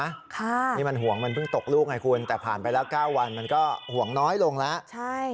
ค่ะนี่มันห่วงมันเพิ่งตกลูกไงคุณแต่ผ่านไปแล้ว๙วันมันก็ห่วงน้อยลงแล้วใช่